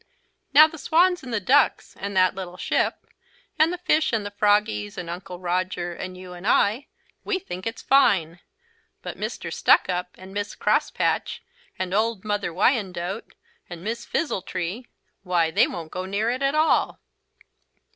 Now the swans and the ducks, and that little ship, and the fish, and the froggies, and Uncle Roger, and you and I, we think it's fine. But Mr. Stuck up, and Miss Crosspatch, and Old Mother Wyandotte, and Mis' Fizzeltree, why they won't go near it at all."